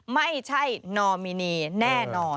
ไม่ใช่นอมินีแน่นอน